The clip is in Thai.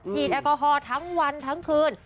แอลกอฮอล์ทั้งวันทั้งคืน